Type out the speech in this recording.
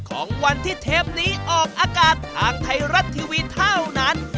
ของวันที่เทปนี้ออกอากาศทางไทยรัฐทีวีเท่านั้น